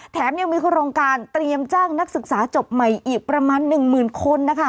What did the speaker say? แถมยังมีโครงการเตรียมจ้างนักศึกษาจบใหม่อีกประมาณ๑หมื่นคนนะคะ